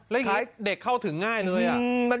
แล้วยังไงพ่อเด็กเข้าถึงง่ายอ่ะ